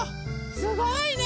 すごいね！